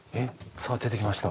さあ出てきました。